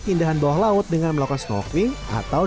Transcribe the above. keindahan bawah laut dengan melakukan snorkeling atau